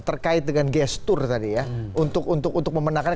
terkait dengan gestur tadi ya untuk memenangkan